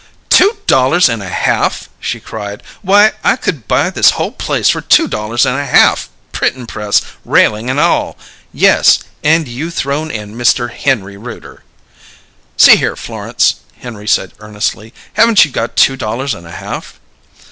"Two dollars and a half!" she cried. "Why, I could buy this whole place for two dollars and a half, printing press, railing, and all yes, and you thrown in, Mister Henry Rooter!" "See here, Florence," Henry said earnestly. "Haven't you got two dollars and a half?"